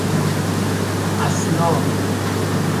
اثنا